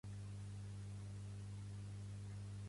Fas ton cas si et cases de ton braç.